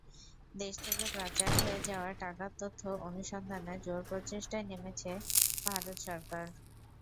দেশ থেকে পাচার হয়ে যাওয়া টাকার তথ্য অনুসন্ধানে জোর প্রচেষ্টায় নেমেছে ভারত সরকার।